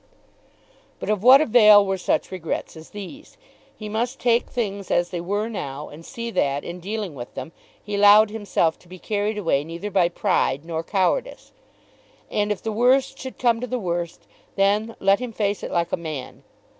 But of what avail were such regrets as these? He must take things as they were now, and see that, in dealing with them, he allowed himself to be carried away neither by pride nor cowardice. And if the worst should come to the worst, then let him face it like a man!